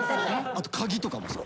あと鍵とかもさ。